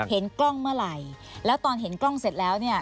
เห็นกล้องเมื่อไหร่แล้วตอนเห็นกล้องเสร็จแล้วเนี่ย